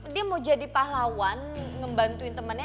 dia mau jadi pahlawan ngebantuin temennya